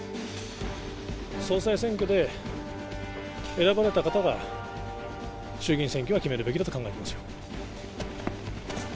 総裁選挙で選ばれた方が、衆議院選挙は決めるべきだと考えていますよ。